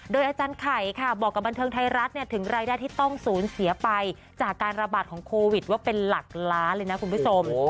อาจารย์ไข่ค่ะบอกกับบันเทิงไทยรัฐถึงรายได้ที่ต้องสูญเสียไปจากการระบาดของโควิดว่าเป็นหลักล้านเลยนะคุณผู้ชม